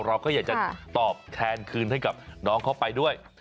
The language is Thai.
เราก็อยากจะตอบแทนคืนให้กับน้องเข้าไปด้วย